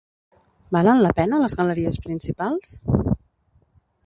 Valen la pena les galeries principals?